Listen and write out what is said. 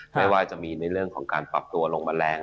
ไม่ว่าจะมีในเรื่องของการปรับตัวลงแมลง